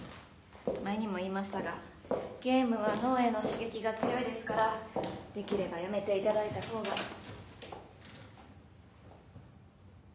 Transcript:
前にも言いましたがゲームは脳への刺激が強いですからできればやめていただいたほうが。